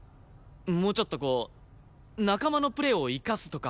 もうちょっとこう仲間のプレーを生かすとか。